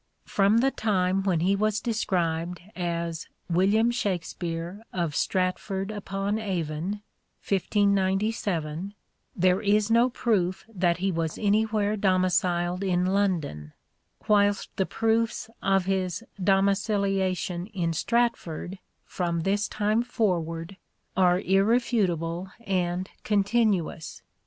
Chrono From the time when he was described as William ccSfusion Shakspere of Stratford upon Avon (1597) there is no proof that he was anywhere domiciled in London, whilst the proofs of his domiciliation in Stratford from this time forward are irrefutable and continuous.